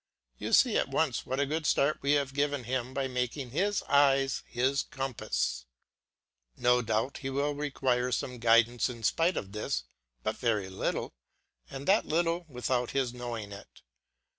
You see at once what a good start we have given him by making his eye his compass. No doubt he will require some guidance in spite of this, but very little, and that little without his knowing it.